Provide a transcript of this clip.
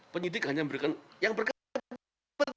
penyidik hanya memberikan yang berkabut